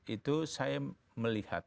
itu saya melihat